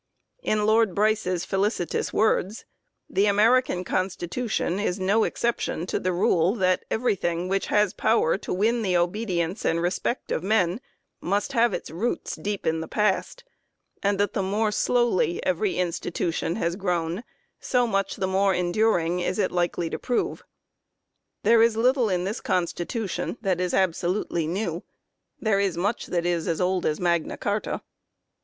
In Lord Bryce's felicitous words : u The American Constitution is no exception to the rule that everything which has power to win the obedience and respect of men must have its roots deep in the past, and that the more slowly every institution has grown, so much the more enduring is it likely to prove. There is little in this Constitution that is ab solutely new. There is much that is as old as Magna Carta."